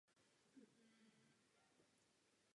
Tato domněnka se nazývá polyhedrální hypotéza.